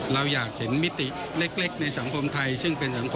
เราอยากเห็นมิติเล็ก